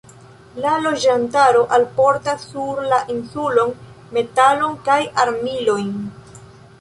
La loĝantaro alportas sur la insulon metalon kaj armilojn.